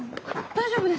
大丈夫です？